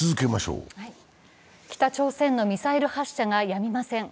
北朝鮮のミサイル発射がやみません。